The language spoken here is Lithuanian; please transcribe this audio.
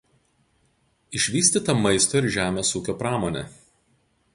Išvystyta maisto ir žemės ūkio pramonė.